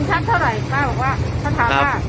ป้าถามว่า